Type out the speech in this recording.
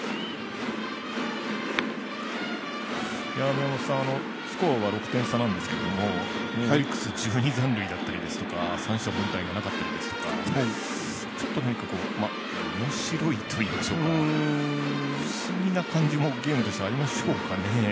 宮本さん、スコアは６点差なんですけどもオリックス、１２残塁だったり三者凡退がなかったりですとかちょっとなんかおもしろいといいましょうか不思議な感じもゲームとしてはありましょうかね。